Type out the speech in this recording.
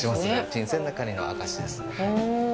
新鮮なカニの証しです。